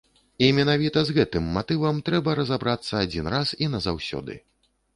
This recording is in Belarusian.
І менавіта з гэтым матывам трэба разабрацца адзін раз і назаўсёды.